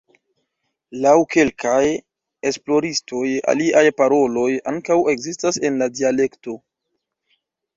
Laŭ kelkaj esploristoj aliaj paroloj ankaŭ ekzistas en la dialekto.